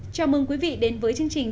chào mừng quý vị đến với chương trình